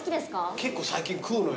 結構最近食うのよ。